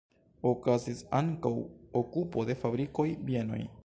Okazis ankaŭ okupo de fabrikoj, bienoj.